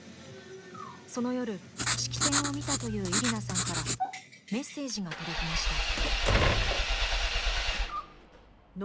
その夜式典を見たというイリナさんからメッセージが届きました。